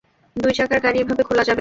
দুই-চাকার গাড়ি এভাবে খোলা যাবে না।